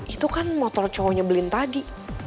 itu kan motor cowoknya beliin tadi